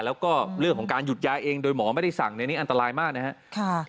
แล้วก็เรื่องของการหยุดยาเองโดยหมอไม่ได้สั่งในนี้อันตรายมากนะครับ